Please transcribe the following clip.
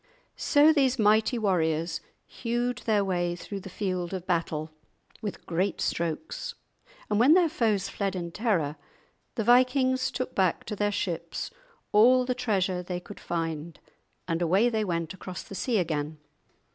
So these mighty warriors hewed their way through the field of battle with great strokes, and when their foes fled in terror, the vikings took back to their ships all the treasure they could find, and away they went across the sea again.